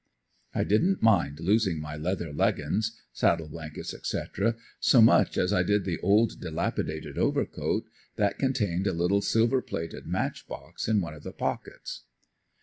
I didn't mind losing my leather leggins, saddle blankets, etc., so much as I did the old delapidated overcoat that contained a little silver plated match box in one of the pockets.